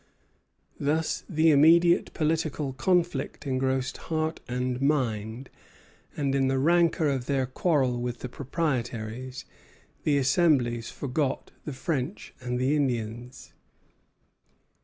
Thus the immediate political conflict engrossed mind and heart; and in the rancor of their quarrel with the proprietaries, the Assembly forgot the French and Indians.